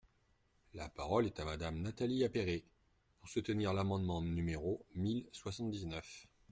La parole est à Madame Nathalie Appéré, pour soutenir l’amendement numéro mille soixante-dix-neuf.